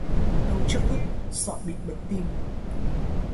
Đau trước ức, sợ bị bệnh tim